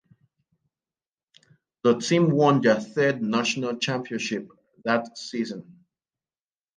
The team won their third national championship that season.